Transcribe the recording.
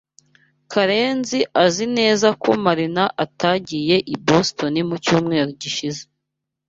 Karenzi azi neza ko Marina atagiye i Boston mu cyumweru gishize.